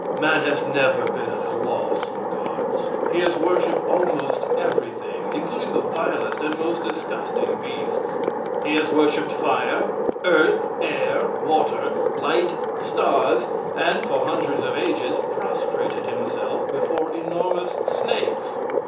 Man has never been at a loss for gods. He has worshiped almost everything, including the vilest and most disgusting beasts. He has worshiped fire, earth, air, water, light, stars, and for hundreds of ages, prostrated himself before enormous snakes.